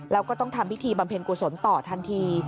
แล้วก็ต้องทำพิธีบำเพ็ญกุศลต่อทันที